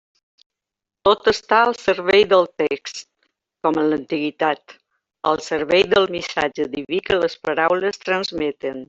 Tot està al servei del text, com en l'antiguitat; al servei del missatge diví que les paraules transmeten.